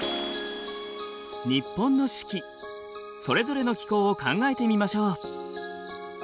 日本の四季それぞれの気候を考えてみましょう。